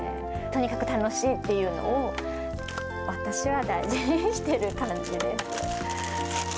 とにかく楽しいっていうのを、私は大事にしてる感じです。